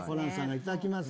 いただきます。